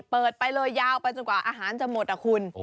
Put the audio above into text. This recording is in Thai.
เปิดไปเลยยาวไปจนกว่าอาหารจะหมดอ่ะคุณ